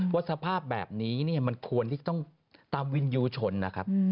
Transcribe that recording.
สภาพแบบนี้มันควรที่ต้องตามวินยูชนนะครับ